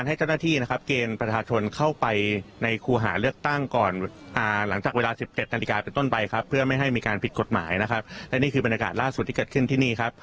และนี่คือบรรยากาศล่าสุดที่เกิดขึ้นที่นี่ครับ